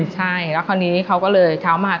ใช่แล้วคราวนี้เขาก็เลยเช้ามา